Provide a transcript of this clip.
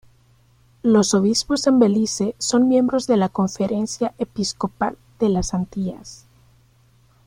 Los obispos en Belice son miembros de la Conferencia Episcopal de las Antillas.